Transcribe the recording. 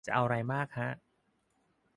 จะเอาไรมากฮะ